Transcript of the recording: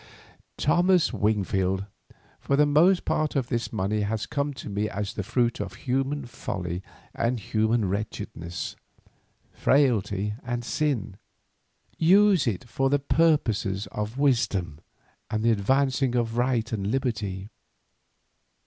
Thomas Wingfield, for the most part this money has come to me as the fruit of human folly and human wretchedness, frailty and sin. Use it for the purposes of wisdom and the advancing of right and liberty.